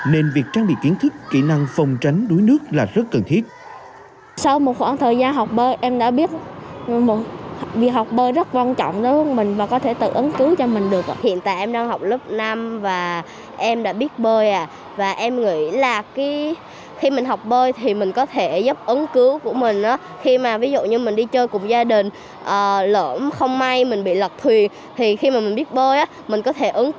nên việc trang bị kiến thức kỹ năng phòng tránh đuối nước là rất cần thiết